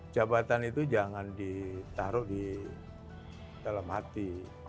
jabatan itu jangan ditaruh di dalam hati